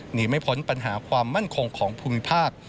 หนีไม่พ้นปัญหาความมั่นคงของภูมิภาค